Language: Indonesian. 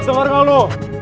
sengar gak lo